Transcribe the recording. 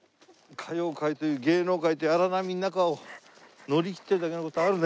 歌謡界という芸能界という荒波の中を乗り切ってるだけの事はあるね。